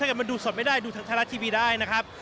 ถ้าเกิดมาดูสดไม่ได้ดูทัลารัสทีวีได้นะครับ